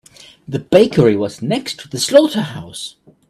The bakery was next to the slaughterhouse.